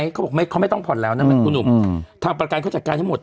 เขาบอกเขาไม่ต้องผ่อนแล้วนะคุณหนุ่มทางประกันเขาจัดการให้หมด